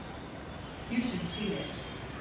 You should see it.